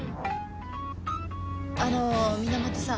あの源さん。